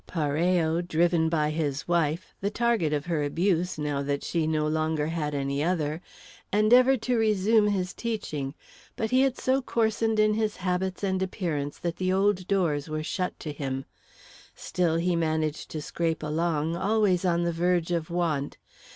Parello, driven by his wife, the target of her abuse now that she no longer had any other, endeavoured to resume his teaching, but he had so coarsened in habits and appearance that the old doors were shut to him. Still, he managed to scrape along, always on the verge of want.